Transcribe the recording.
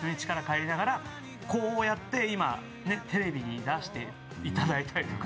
こうやって今テレビに出していただいたりとか。